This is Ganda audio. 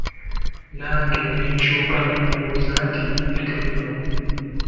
Nange ne nkyuka ne mmubuuza nti, ate bino?